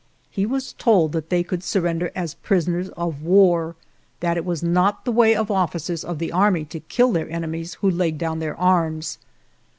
He was told that they could surrender as prisoners of war; that it was not the way of officers of the Army to kill their enemies who laid down their arms."